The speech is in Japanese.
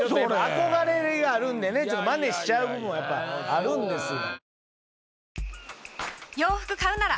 憧れがあるんでねマネしちゃう部分はあるんですよ。